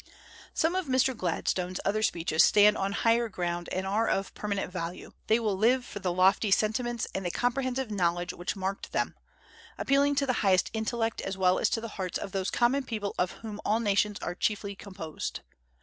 Some of Mr. Gladstone's other speeches stand on higher ground and are of permanent value; they will live for the lofty sentiments and the comprehensive knowledge which marked them, appealing to the highest intellect as well as to the hearts of those common people of whom all nations are chiefly composed.